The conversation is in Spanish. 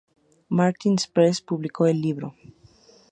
Martin's Press publicó el libro.